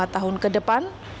lima tahun ke depan